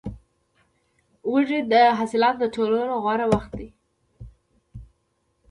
وږی د حاصلاتو د ټولولو غوره وخت دی.